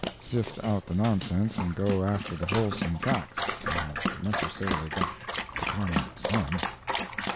[Sift out the nonsense, and go after the wholesome facts. I have necessarily got to comment some.